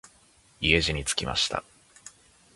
家路につきました。